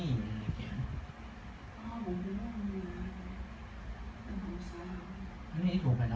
อ๋อหมูแล้วพักมาได้เลยน่ะ